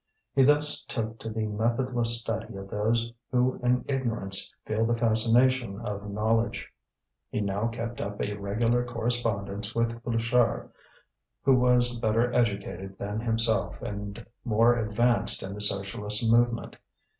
He thus took to the methodless study of those who in ignorance feel the fascination of knowledge. He now kept up a regular correspondence with Pluchart, who was better educated than himself and more advanced in the Socialist movement.